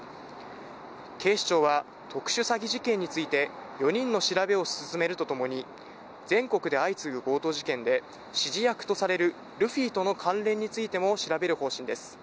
警視庁は特殊詐欺事件について、４人の調べを進めるとともに全国で相次ぐ強盗事件で指示役とされるルフィとの関連についても調べる方針です。